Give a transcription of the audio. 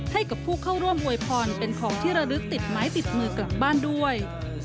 ให้กับผู้เข้าร่วมอวยพรเป็นของที่ระลึกติดไม้ติดมือกลับบ้านด้วย